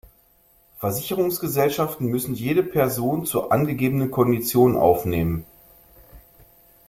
Versicherungsgesellschaften müssen jede Person zur angegebenen Kondition aufnehmen.